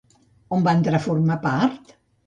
On va entrar a formar part?